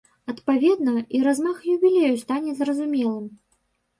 Адпаведна, і размах юбілею стане зразумелым.